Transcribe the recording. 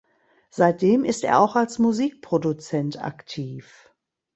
Seitdem ist er auch als Musikproduzent aktiv.